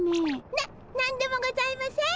な何でもございません。